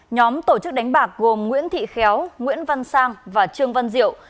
nhóm tổ chức đánh bạc gồm nguyễn thị khéo nguyễn văn sang và trương văn diệu